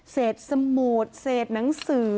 เศษสมูดเศษหนังสือ